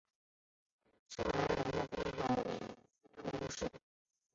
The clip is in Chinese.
圣蒂兰人口变化图示